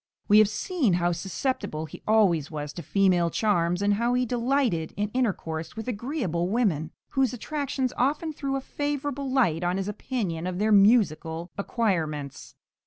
We have seen how susceptible he always was to female charms, and how he delighted in intercourse with agreeable women, whose attractions often threw a favourable light on his opinion of their musical acquirements.